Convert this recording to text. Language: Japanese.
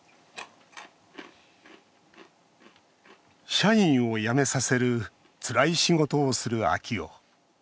社員を辞めさせるつらい仕事をする昭夫。